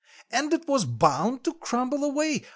"And it was bound to crumble away.